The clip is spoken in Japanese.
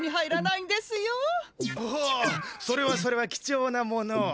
ほそれはそれは貴重なものを。